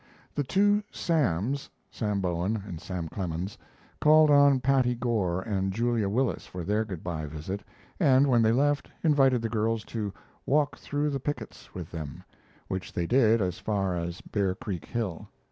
The "two Sams" Sam Bowen and Sam Clemens called on Patty Gore and Julia Willis for their good by visit, and, when they left, invited the girls to "walk through the pickets" with them, which they did as far as Bear Creek Hill.